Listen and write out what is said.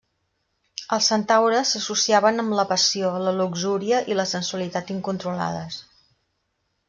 Els centaures s'associaven amb la passió, la luxúria i la sensualitat incontrolades.